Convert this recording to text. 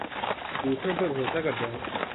دوسروں پر بھروسہ کرتا ہوں